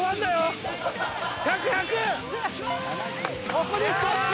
ここでストップ！